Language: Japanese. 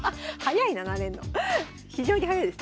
非常に早いです。